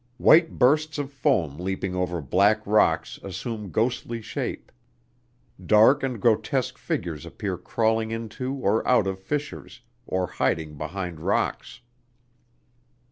White bursts of foam leaping over black rocks assume ghostly shape. Dark and grotesque figures appear crawling into or out of fissures, or hiding behind rocks.